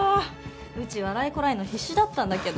うち笑いこらえんの必死だったんだけど。